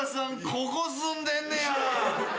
ここ住んでんねや！